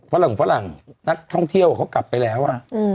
ฝรั่งฝรั่งนักท่องเที่ยวเขากลับไปแล้ว